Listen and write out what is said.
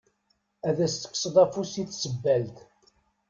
Ad as-tekkseḍ afus i tsebbalt?